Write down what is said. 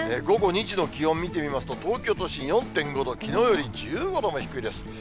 午後２時の気温見てみますと、東京都心４．５度、きのうより１５度も低いです。